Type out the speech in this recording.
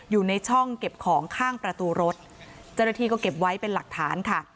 อยู่ในช่องเก็บของข้างประตูรถเจ้าหน้าที่ก็เก็บไว้เป็นหลักฐานค่ะ